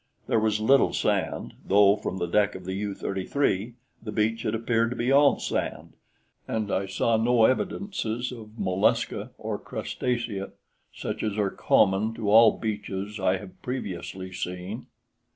There was little sand, though from the deck of the U 33 the beach had appeared to be all sand, and I saw no evidences of mollusca or crustacea such as are common to all beaches I have previously seen.